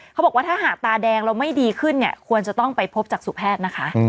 เขาบอกว่าถ้าหากตาแดงเราไม่ดีขึ้นเนี่ยควรจะต้องไปพบจากสู่แพทย์นะคะ